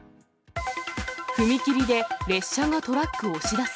踏切で列車がトラック押し出す。